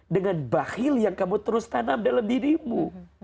dengan bakhil yang kamu terus tanam dalam dirimu